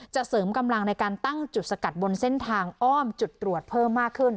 เสริมกำลังในการตั้งจุดสกัดบนเส้นทางอ้อมจุดตรวจเพิ่มมากขึ้น